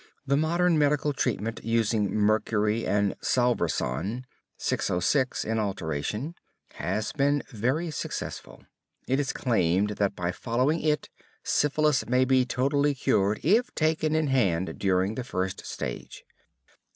The modern medical treatment using mercury and Salvarsan (606) in alternation, has been very successful. It is claimed that by following it, syphilis may be totally cured if taken in hand during the first stage.